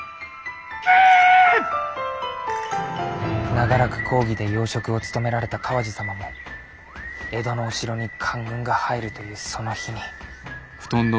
長らく公儀で要職を務められた川路様も江戸の御城に官軍が入るというその日に。